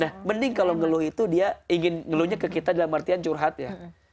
nah mending kalau ngeluh itu dia ingin ngeluhnya ke kita dalam artian curhat ya